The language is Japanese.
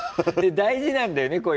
大事なんだよね